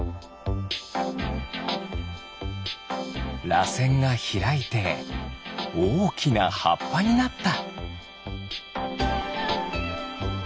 らせんがひらいておおきなはっぱになった。